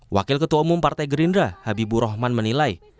wakil ketua umum partai gerindra habibur rahman menilai